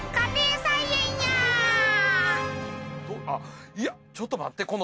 あっいやちょっと待って。